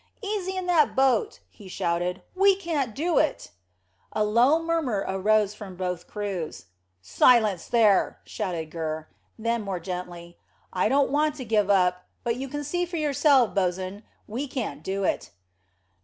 Easy in that boat," he shouted. "We can't do it." A low murmur arose from both crews. "Silence there!" shouted Gurr. Then, more gently, "I don't want to give it up, but you can see for yourself, bo's'n, we can't do it."